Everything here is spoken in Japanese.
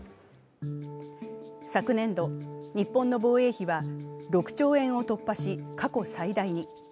昨年度、日本の防衛費は６兆円を突破し、過去最大に。